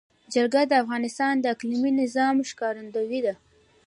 جلګه د افغانستان د اقلیمي نظام ښکارندوی ده.